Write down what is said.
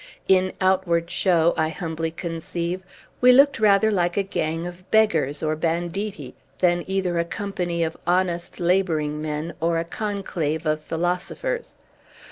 In outward show, I humbly conceive, we looked rather like a gang of beggars, or banditti, than either a company of honest laboring men, or a conclave of philosophers.